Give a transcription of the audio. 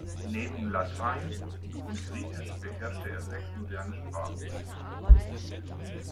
Neben Latein und Griechisch beherrschte er sechs moderne Sprachen.